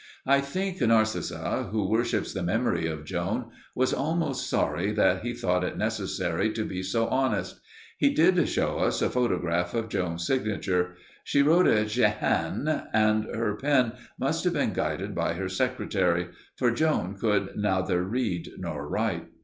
I think Narcissa, who worships the memory of Joan, was almost sorry that he thought it necessary to be so honest. He did show us a photograph of Joan's signature. She wrote it "Jehanne," and her pen must have been guided by her secretary, for Joan could neither read nor write.